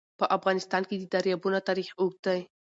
په افغانستان کې د دریابونه تاریخ اوږد دی.